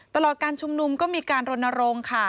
การชุมนุมก็มีการรณรงค์ค่ะ